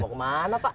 mau kemana pak